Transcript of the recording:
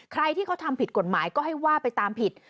ใครที่เขาทำผิดกฎหมายก็ให้ว่าไปตามผิด